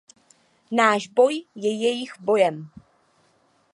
Náš boj je jejich bojem.